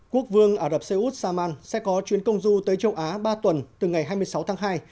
quốc vương ả rập xê út saman sẽ có chuyến công du tới châu á ba tuần từ ngày hai mươi sáu tháng hai